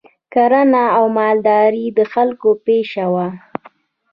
کرنه او مالداري د خلکو پیشه وه